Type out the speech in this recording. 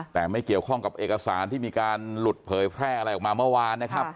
แต่ไม่เกี่ยวข้องกับเอกสารที่มีการหลุดเผยแพร่อะไรออกมาเมื่อวานนะครับ